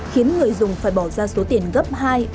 khiến người dùng phải bỏ ra số tiền gấp hai